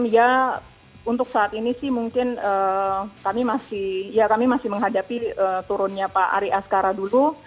ya untuk saat ini sih mungkin kami masih menghadapi turunnya pak ari askara dulu